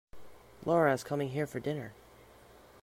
Lara is coming here for dinner.